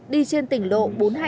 đi trên tỉnh lộ bốn trăm hai mươi chín